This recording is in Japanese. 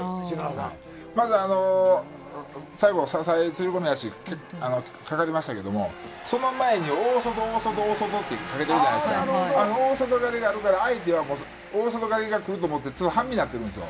まず、最後、支え釣り込み足、かかりましたけども、その前に大外、大外、大外ってかけたじゃないですか、あの大外刈りがあるから、相手は大外刈りがくると思って、半身になってるんですよ。